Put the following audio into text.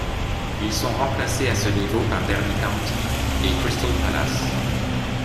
Ils sont remplacés à ce niveau par Derby County et Crystal Palace.